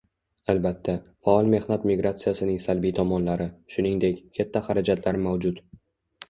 Albatta, faol mehnat migratsiyasining salbiy tomonlari, shuningdek, katta xarajatlar mavjud